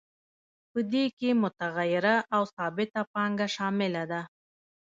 په دې کې متغیره او ثابته پانګه شامله ده